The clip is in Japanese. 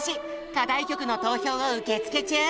課題曲の投票を受付中。